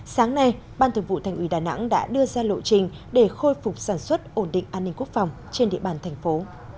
sáng nay ban thường vụ thành ủy đà nẵng đã đưa ra lộ trình để khôi phục sản xuất ổn định an ninh quốc phòng trên địa bàn thành phố